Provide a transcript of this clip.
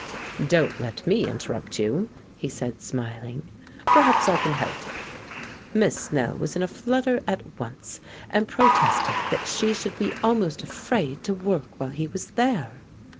"Don't let me interrupt you," he said, smiling. "Perhaps I can help." Miss Snell was in a flutter at once, and protested that she should be almost afraid to work while he was there.